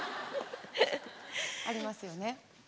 ありますよね。